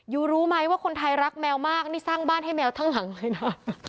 ูรู้ไหมว่าคนไทยรักแมวมากนี่สร้างบ้านให้แมวทั้งหลังเลยนะ